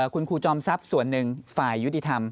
คุณครูจอมทรัพย์ส่วนหนึ่งฝ่ายยุติธรรม